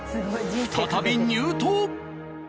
再び入湯。